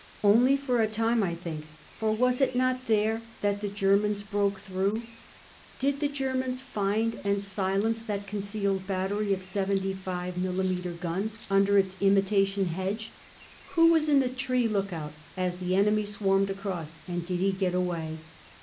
Only for a time, I think, for was it not there that the Germans broke through? Did the Germans find and silence that concealed battery of seventy five millimetre guns under its imitation hedge? Who was in the tree lookout as the enemy swarmed across, and did he get away?